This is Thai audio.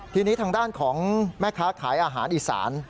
ทีนี้ทางด้านของแม่ค้าขายอาหารอีสาน